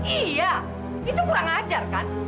iya itu kurang ajar kan